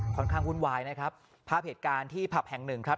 วุ่นวายนะครับภาพเหตุการณ์ที่ผับแห่งหนึ่งครับ